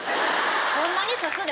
ホンマに刺すで！